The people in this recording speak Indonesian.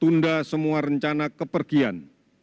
tunda semua rencana kepergian